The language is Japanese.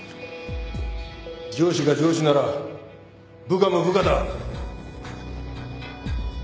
上司が上司なら部下も部下だ。